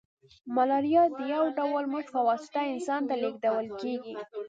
ملاریا د یو ډول مچ په واسطه انسان ته لیږدول کیږي